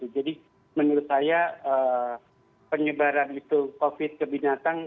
jadi menurut saya penyebaran itu covid ke binatang